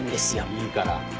いいから。